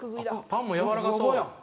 パンもやわらかそう。